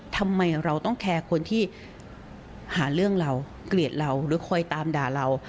ทำไมเราต้องแคร์คนที่หาเรื่องเราเกลียดเราหรือคอยตามด่าเรา